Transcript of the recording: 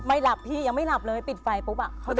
ไม้รับพี่อีกไม่รับเลยปิดไฟแปะ